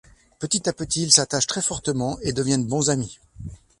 Petit à petit, ils s'attachent très fortement et deviennent bons amis.